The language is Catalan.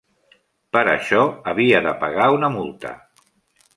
Per això havia de pagar una multa.